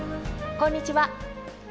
こんにちは。